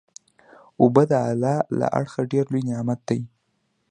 اوبه د الله له اړخه ډیر لوئ نعمت دی